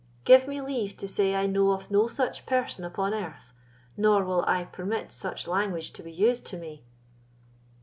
"Give me leave to say I know of no such person upon earth, nor will I permit such language to be used to me!"